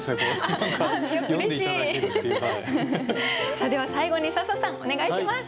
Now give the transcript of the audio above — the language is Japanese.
さあでは最後に笹さんお願いします。